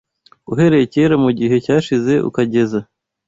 uhereye kera mu gihe cyashize ukageza